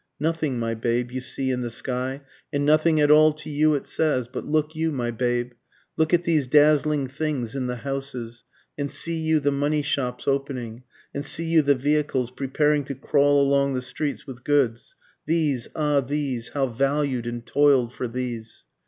_ Nothing my babe you see in the sky, And nothing at all to you it says but look you my babe, Look at these dazzling things in the houses, and see you the money shops opening, And see you the vehicles preparing to crawl along the streets with goods; These, ah these, how valued and toil'd for these!